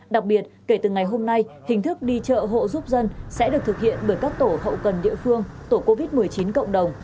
đặc biệt kể từ ngày hôm nay hình thức đi chợ hộ giúp dân sẽ được thực hiện bởi các tổ hậu cần địa phương tổ covid một mươi chín cộng đồng